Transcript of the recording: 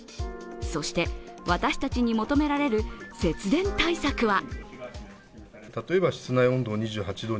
そして、私たちに求められる節電対策は？